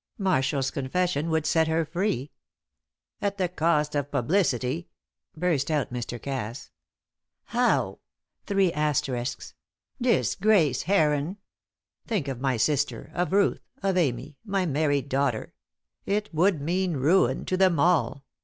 Marshall's confession would set her free " "At the cost of publicity!" burst out Mr. Cass. "How [] disgrace, Heron? Think of my sister, of Ruth, of Amy, my married daughter; it would mean ruin to them all.